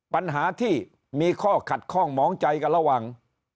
ปัญหาที่มีข้อขัดข้องหมองใจกันระหว่าง